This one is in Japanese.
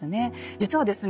実はですね